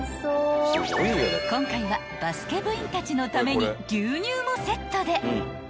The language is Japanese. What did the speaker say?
［今回はバスケ部員たちのために牛乳もセットで］